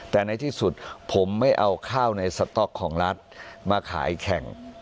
แต่ในที่สุดผมไม่เอาข้าวในสต๊อกของรัฐมาขายแข่ง